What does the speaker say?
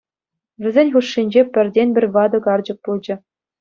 Вӗсен хушшинче пӗртен-пӗр ватӑ карчӑк пулчӗ.